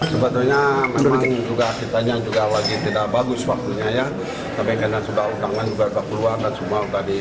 sebetulnya memang juga akhirnya juga lagi tidak bagus waktunya ya tapi karena sudah utangan juga ke keluarga sumau tadi